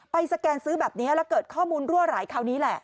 สแกนซื้อแบบนี้แล้วเกิดข้อมูลรั่วไหลคราวนี้แหละ